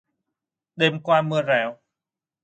Đêm qua mưa rào